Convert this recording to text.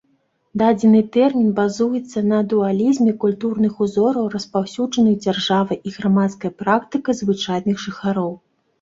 Дадзены тэрмін базуецца на дуалізме культурных узораў распаўсюджаных дзяржавай і грамадскай практыкай звычайных жыхароў.